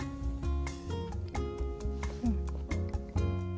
うん。